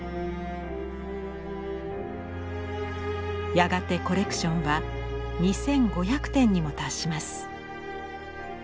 やがてコレクションは２，５００点にも達します。